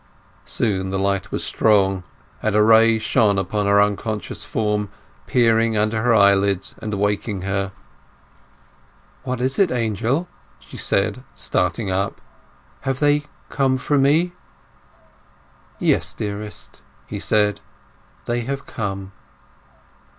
Soon the light was strong, and a ray shone upon her unconscious form, peering under her eyelids and waking her. "What is it, Angel?" she said, starting up. "Have they come for me?" "Yes, dearest," he said. "They have come."